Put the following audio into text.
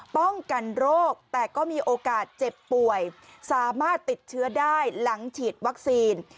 ป้องกันโรคแต่ก็มีโอกาสเจ็บป่วยสามารถติดเชื้อได้หลังฉีดวัคซีน